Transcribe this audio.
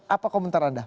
apa komentar anda